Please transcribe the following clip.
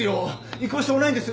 行く場所もないんです。